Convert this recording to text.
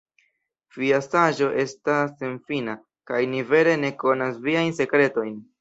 Via saĝo estas senfina, kaj ni vere ne konas Viajn sekretojn!